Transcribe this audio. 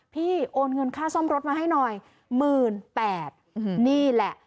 โอนเงินค่าซ่อมรถมาให้หน่อยหมื่นแปดนี่แหละ